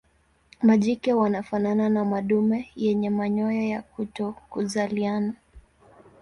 Majike wanafanana na madume yenye manyoya ya kutokuzaliana.